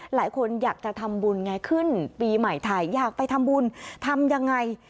หลายคนอยากจะทำบุญไงขึ้นปีใหม่ไทยอยากไปทำบุญทำยังไง